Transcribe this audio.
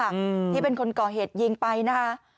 อืมที่เป็นคนก่อเหตุยิงไปนะคะ